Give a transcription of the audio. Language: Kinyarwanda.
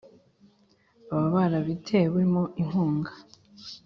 baba barabitewe mo inkunga